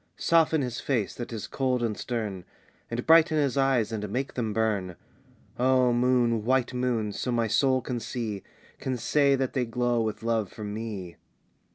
"Soften his face, that is cold and stern, And brighten his eyes and make them burn, "O moon, white moon, so my soul can see, Can say that they glow with love for me!"